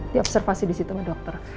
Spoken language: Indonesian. di observasi disitu sama dokter